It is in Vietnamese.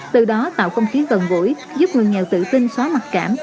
từ đó tạo không khí gần gũi giúp người nghèo tự tin xóa mặt cảm